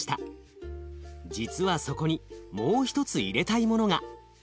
実はそこにもう一つ入れたいものが。